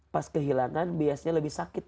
pas kehilangan biasanya lebih sakit